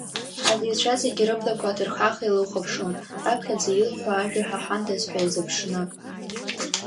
Аҵаҩцәа зегьы рыблақәа ҭырхаха илыхәаԥшуан, раԥхьаӡа илҳәо ажәа ҳаҳандаз ҳәа иазыԥшны.